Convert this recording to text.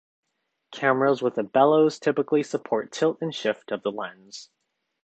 Cameras with a bellows typically support 'tilt and shift' of the lens.